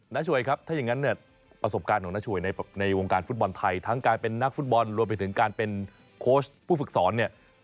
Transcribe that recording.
ช่วยครับถ้าอย่างนั้นเนี่ยประสบการณ์ของน้าช่วยในวงการฟุตบอลไทยทั้งการเป็นนักฟุตบอลรวมไปถึงการเป็นโค้ชผู้ฝึกสอนเนี่ย